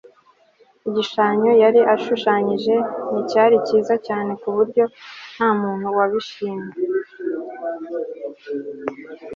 igishushanyo yari ashushanyije nticyari cyiza cyane kuburyo ntamuntu wabishimye